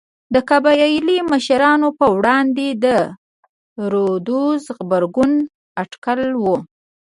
د قبایلي مشرانو پر وړاندې د رودز غبرګون اټکل و.